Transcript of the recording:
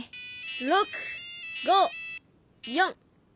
６５４。